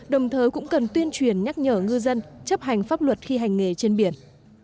đồng thời cũng cần tuyên truyền nhắc nhở ngư dân chấp hành pháp luật khi hành nghề trên biển